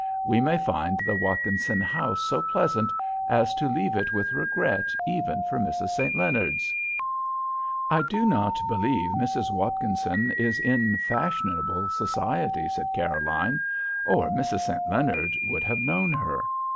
We may find the Watkinson house so pleasant as to leave it with regret even for Mrs. St. Leonard's." "I do not believe Mrs. Watkinson is in fashionable society," said Caroline, "or Mrs. St. Leonard would have known her.